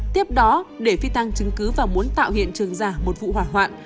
tiếp đó để phi tăng chứng cứ và muốn tạo hiện trường giả một vụ hỏa hoạn